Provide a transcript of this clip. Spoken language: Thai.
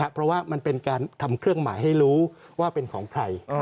เพราะว่ามันเป็นการทำเครื่องหมายให้รู้ว่าเป็นของใคร